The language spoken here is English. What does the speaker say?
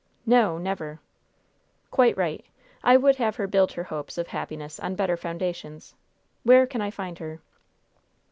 "No, never!" "Quite right. I would have her build her hopes of happiness on better foundations. Where can I find her?"